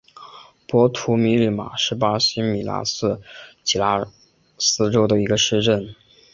博图米里姆是巴西米纳斯吉拉斯州的一个市镇。